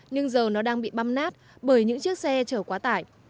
nhưng giờ nó đang bị băm nát bởi những chiếc xe chở quá tải